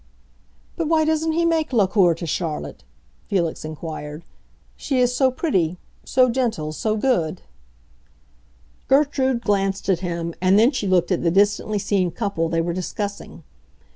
"But why doesn't he make la cour to Charlotte?" Felix inquired. "She is so pretty, so gentle, so good." Gertrude glanced at him, and then she looked at the distantly seen couple they were discussing. Mr.